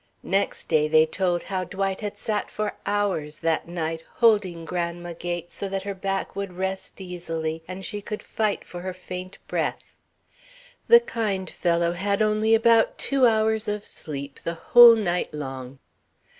Next day they told how Dwight had sat for hours that night, holding Grandma Gates so that her back would rest easily and she could fight for her faint breath. The kind fellow had only about two hours of sleep the whole night long.